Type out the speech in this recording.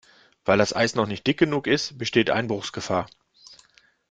Weil das Eis noch nicht dick genug ist, besteht Einbruchsgefahr.